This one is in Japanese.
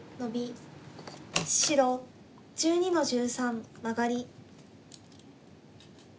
白１２の十三マガリ。